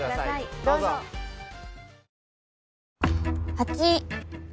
８。